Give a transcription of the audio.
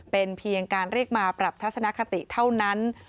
เป็นเพียงการเรียกมาปรับทัศนคติเท่านั้น